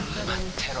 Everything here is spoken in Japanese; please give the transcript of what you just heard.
てろ